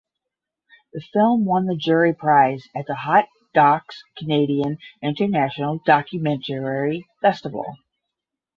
The film won the Jury Prize at the Hot Docs Canadian International Documentary Festival.